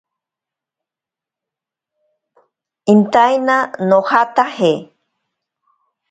Intaina nojataje.